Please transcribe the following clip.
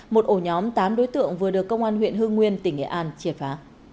một ổ nhóm tám đối tượng vừa được công an huyện hương nguyên tỉnh nghệ an triệt phá